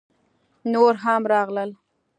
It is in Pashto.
_نور هم راغلل!